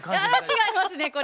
違いますねこれ。